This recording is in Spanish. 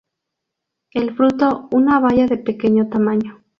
El fruto una baya de pequeño tamaño.